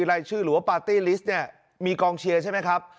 รายชื่อหรือว่าปาร์ตี้ลิสต์เนี่ยมีกองเชียร์ใช่ไหมครับ